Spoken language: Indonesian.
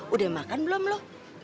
udah makan belum lu